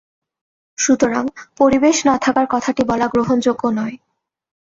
সুতরাং পরিবেশ না থাকার কথাটি বলা গ্রহণযোগ্য নয়।